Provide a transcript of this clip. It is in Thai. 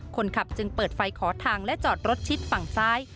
คนขับจึงเปิดไฟขอทางและจอดรถชิดฝั่งซ้าย